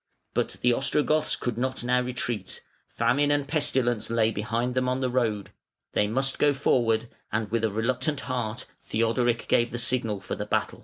But the Ostrogoths could not now retreat; famine and pestilence lay behind them on their road; they must go forward, and with a reluctant heart Theodoric gave the signal for the battle.